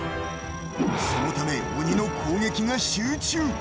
そのため、鬼の攻撃が集中。